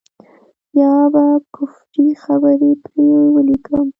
يا به کفري خبرې پرې وليکم.